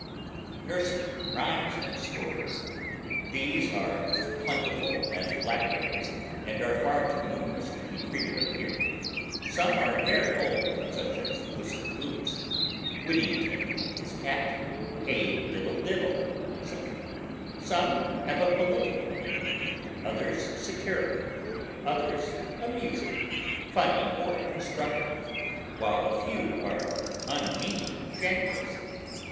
NURSERY RHYMES AND STORIES. These are as plentiful as blackberries, and are far too numerous to be treated of here. Some are very old, such as "Puss in Boots," "Whittington and his Cat," "Hey, diddle, diddle!" etc. Some have a political meaning, others satirical, others amusing, funny, or instructive, while a few are unmeaning jangles.